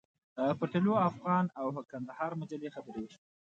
پر طلوع افغان او کندهار مجلې خبرې وشوې.